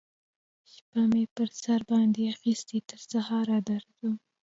شپه می پر سر باندی اخیستې تر سهاره درځم